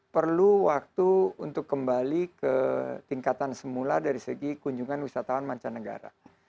perlu waktu untuk kembali ke tingkatan semula dari segi kunjungan wisatawan mancanegara